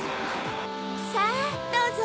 さぁどうぞ！